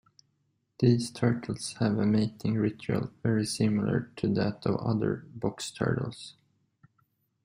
These turtles have a mating ritual very similar to that of other box turtles.